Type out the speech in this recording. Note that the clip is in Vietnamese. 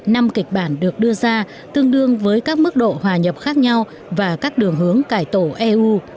năm kịch bản được đưa ra tương đương với các mức độ hòa nhập khác nhau và các đường hướng cải tổ eu